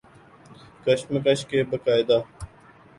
کشمش کے باقاعدہ